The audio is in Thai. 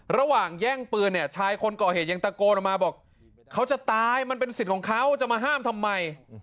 ระหว่างแย่งปืนเนี่ยชายคนก่อเหตุยังตะโกนออกมาบอกเขาจะตายมันเป็นสิทธิ์ของเขาจะมาห้ามทำไม